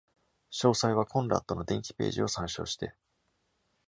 詳細はコンラッドの伝記ページを参照して。